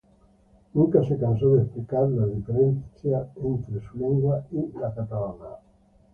Nunca se cansó de explicar las diferencias entre su lengua y la catalana.